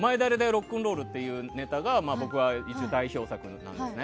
ロックンロールというネタが僕は一応、代表作になってます。